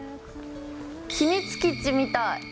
秘密基地みたい。